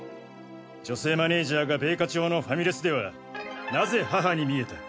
女性マネージャーが米花町のファミレスでは何故母に見えた？